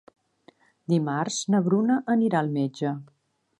Dimarts na Bruna anirà al metge.